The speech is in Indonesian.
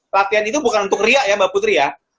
latihan itu bukan untuk riak ya mbak putri ya